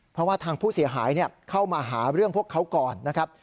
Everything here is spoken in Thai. เพราะว่าทางผู้เสียหายเข้ามาหาเรื่องพวกเขาก่อนนะครับ